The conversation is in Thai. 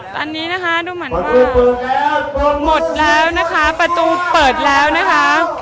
ตอนนี้นะคะดูเหมือนว่าหมดแล้วนะคะประตูเปิดแล้วนะคะ